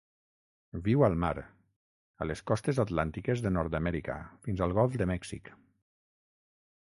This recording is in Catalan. Viu al mar, a les costes atlàntiques de Nord-amèrica fins al golf de Mèxic.